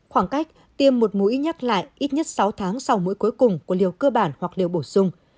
khoảng cách tiêm một mũi nhắc lại ít nhất sáu tháng sau mũi cuối cùng của liều cơ bản hoặc đều bổ sung